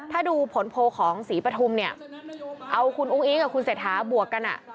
ถ้าดูผลโพลของศรีปฐุมเนี่ยเอาคุณอุ้งอิ๊งกับคุณเศรษฐาบวกกันอ่ะ